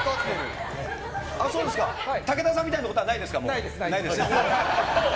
武田さんみたいなことはないないです、ないです。